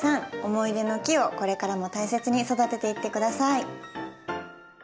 思い出の木をこれからも大切に育てていって下さい。